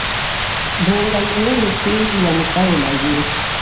Mbunga inene chindji ya mukaula yesu.